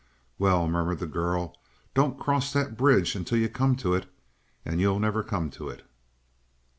"Well," murmured the girl, "don't cross that bridge until you come to it; and you'll never come to it."